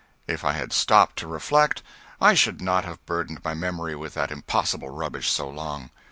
If I had stopped to reflect, I should not have burdened my memory with that impossible rubbish so long.